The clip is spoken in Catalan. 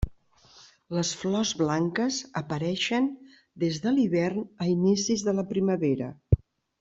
Les flors blanques apareixen des d'hivern a inicis de la primavera.